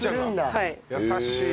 はい。